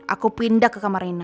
aku pindah ke kamar raina